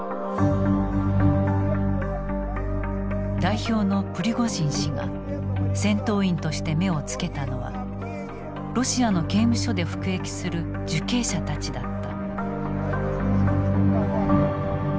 代表のプリゴジン氏が戦闘員として目をつけたのはロシアの刑務所で服役する受刑者たちだった。